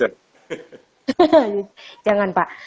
hahaha jangan pak